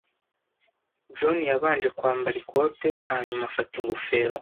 John yabanje kwambara ikote, hanyuma afata ingofero.